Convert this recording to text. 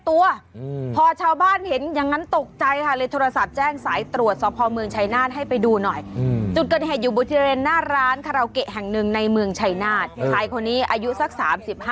นั่นก็แจ้งเนี่ยพี่มันอาจจะมื้อหน่อยแต่โขมพอเห็นกลัวมันก็แจ้งด้วยแป๊บของเธอบ้านเวลากินไง